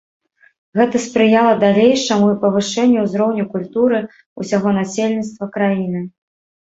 Гэта спрыяла далейшаму павышэнню ўзроўню культуры ўсяго насельніцтва краіны.